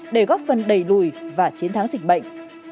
để góp phần đầy lùi và chiến thắng dịch bệnh